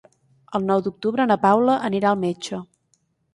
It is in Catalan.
El nou d'octubre na Paula anirà al metge.